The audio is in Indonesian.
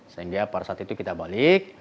sehingga pada saat itu kita balik